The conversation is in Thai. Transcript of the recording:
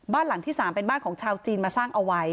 หลังที่๓เป็นบ้านของชาวจีนมาสร้างเอาไว้